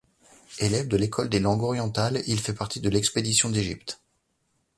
Élève de l'École des langues orientales, il fait partie de l'Expédition d'Égypte.